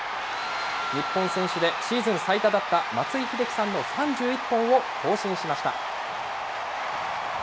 日本選手でシーズン最多だった松井秀喜さんの３１本を更新しました。